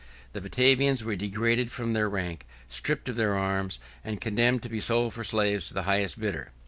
The Batavians were degraded from their rank, stripped of their arms, and condemned to be sold for slaves to the highest bidder.